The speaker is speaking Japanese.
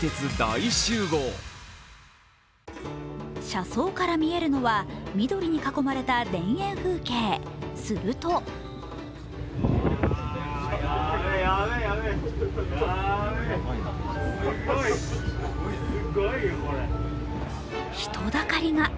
車窓から見えるのは緑に囲まれた田園風景すると人だかりが。